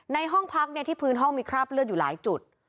ในห้องพักที่พื้นห้องมีคราบเลือดอยู่หลายจุด